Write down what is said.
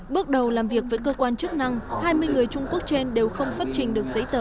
bước đầu làm việc với cơ quan chức năng hai mươi người trung quốc trên đều không xuất trình được giấy tờ